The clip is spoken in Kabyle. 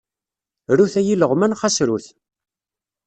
Rut, ay ileɣman, xas rut!